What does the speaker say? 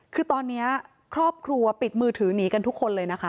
คือตอนนี้ครอบครัวปิดมือถือหนีกันทุกคนเลยนะคะ